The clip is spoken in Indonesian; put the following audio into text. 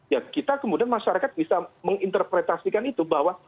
ya kita kemudian masyarakat bisa menginterpretasikan itu bahwa